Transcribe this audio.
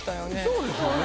そうですよね。